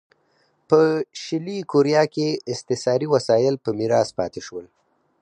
په شلي کوریا کې استثاري وسایل په میراث پاتې شول.